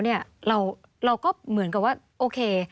เราก็เหมือนกับว่าโอเค